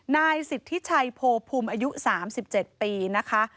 นายสิทธิชัยโพพุมอายุ๓๗ปีนะคะ